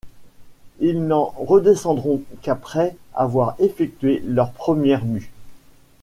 Ils n’en redescendront qu’après avoir effectué leur première mue.